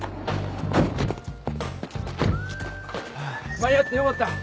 間に合ってよかった。